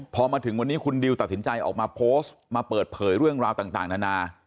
พอมาถึงวันนี้คุณดิวตัดสินใจออกมาโพสต์มาเปิดเผยเรื่องราวต่างนานา